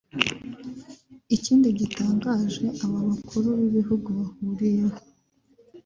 Ikindi gitangaje aba bakuru b’ibihugu bahuriyeho